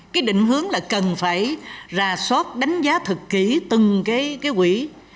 cái định hướng là cần phải ra soát đánh giá thật kỹ từng cái quỹ